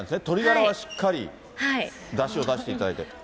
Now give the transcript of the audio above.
鶏がらはしっかりだしを出していただいて。